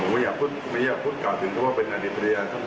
มันอย่าพบกาจถึงพูดว่าเป็นนาตรีปริญญาซึ่ง